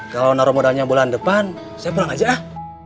kalau naruh modalnya bulan depan saya pulang aja